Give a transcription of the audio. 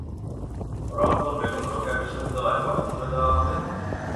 রংপুর বেগম রোকেয়া বিশ্ববিদ্যালয় কবে খুলে দেওয়া হবে?